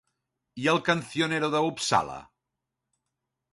I El Cancionero de Uppsala?